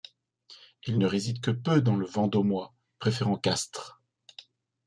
Il ne réside que peu dans le Vendômois, préférant Castres.